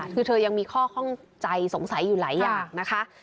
คือเธอยังมีข้อข้องใจสงสัยอยู่หลายอย่างนะคะ